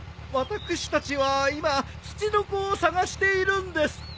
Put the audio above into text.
私たちは今ツチノコを探しているんです。